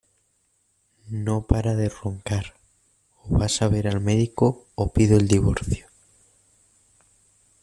No para de roncar: o vas a ver al médico o pido el divorcio.